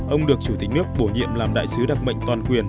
ông được chủ tịch nước bổ nhiệm làm đại sứ đặc mệnh toàn quyền